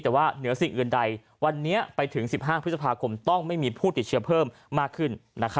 แต่ว่าเหนือสิ่งอื่นใดวันนี้ไปถึง๑๕พฤษภาคมต้องไม่มีผู้ติดเชื้อเพิ่มมากขึ้น